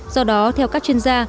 do đó theo các chuyên gia